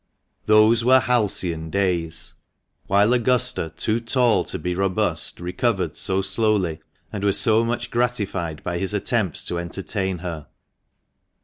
Those were halcyon days ; while Augusta, too tall to be robust, recovered so slowly, and was so much gratified by his attempts to entertain her.